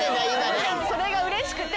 それがうれしくて。